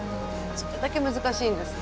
それだけ難しいんですね。